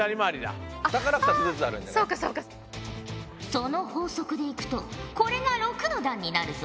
その法則でいくとこれが６の段になるぞ。